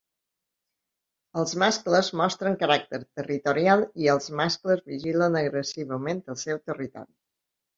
Els mascles mostren caràcter territorial i els mascles vigilen agressivament el seu territori.